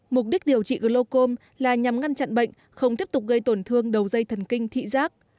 mục đích điều trị glocom là nhằm ngăn chặn bệnh không tiếp tục gây tổn thương đầu dây thần kinh thị giác